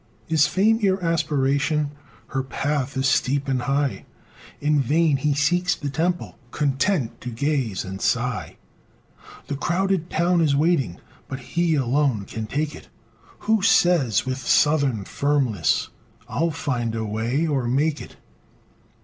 Is FAME your aspiration? Her path is steep and high; In vain he seeks the temple, Content to gaze and sigh; The crowded town is waiting, But he alone can take it Who says, with "SOUTHERN FIRMNESS," "I'LL FIND A WAY, OR MAKE IT!"